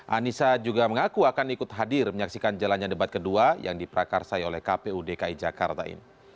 anissa juga mengaku akan ikut hadir menyaksikan jalannya debat kedua yang diprakarsai oleh kpu dki jakarta ini